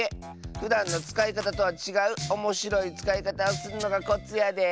ふだんのつかいかたとはちがうおもしろいつかいかたをするのがコツやで。